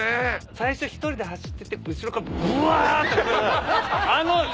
最初１人で走ってて後ろからブワーッ。